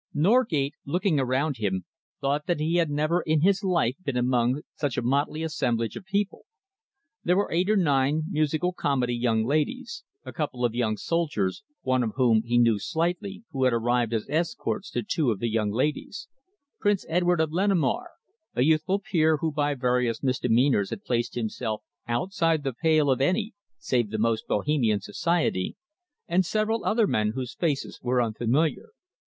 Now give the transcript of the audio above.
Norgate, looking around him, thought that he had never in his life been among such a motley assemblage of people. There were eight or nine musical comedy young ladies; a couple of young soldiers, one of whom he knew slightly, who had arrived as escorts to two of the young ladies; Prince Edward of Lenemaur; a youthful peer, who by various misdemeanours had placed himself outside the pale of any save the most Bohemian society, and several other men whose faces were unfamiliar.